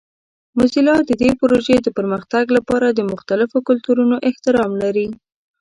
موزیلا د دې پروژې د پرمختګ لپاره د مختلفو کلتورونو احترام لري.